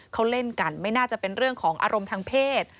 เขาเล่นกันไม่น่าจะเป็นเรื่องของอารมณ์ทางเพศ